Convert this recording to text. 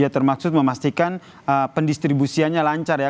termaksud memastikan pendistribusiannya lancar ya